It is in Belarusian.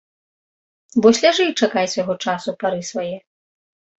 Вось ляжы і чакай свайго часу, пары свае.